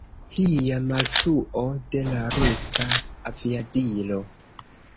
Plia malfruo de la rusa aviadilo.